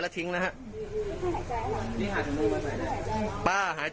เดี๋ยวเดี๋ยว